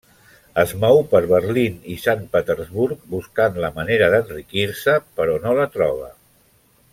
Es mou per Berlín i Sant Petersburg buscant la manera d'enriquir-se, però no la troba.